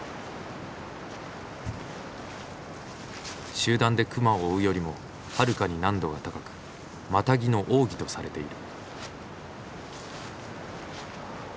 集団で熊を追うよりもはるかに難度が高くマタギの奥義とされている。